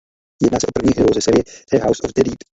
Jedná se o první hru ze série The House of the Dead.